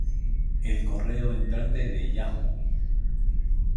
El correo entrante de Yahoo!